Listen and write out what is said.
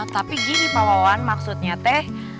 tapi gini pak wawan maksudnya teh